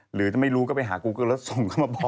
หรือจะไม่รู้ก็ไปหากูก็แล้วส่งเข้ามาบอก